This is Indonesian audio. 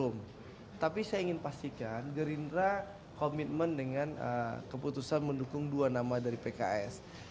minitra komitmen dengan keputusan mendukung dua nama dari pks